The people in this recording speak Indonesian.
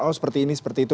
oh seperti ini seperti itu